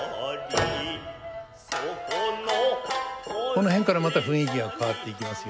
この辺からまた雰囲気が変わっていきますよ。